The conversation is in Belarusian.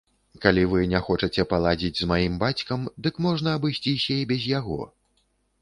Калі вы не хочаце паладзіць з маім бацькам, дык можна абысціся і без яго.